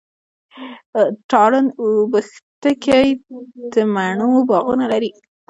تارڼ اوبښتکۍ د مڼو باغونه لري.